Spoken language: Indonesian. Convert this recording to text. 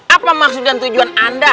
apa maksud dan tujuan anda